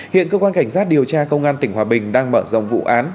hiện cơ quan cảnh sát điều tra công an tỉnh hòa bình đang mở rộng vụ án